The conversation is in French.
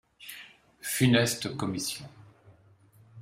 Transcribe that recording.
Funeste commission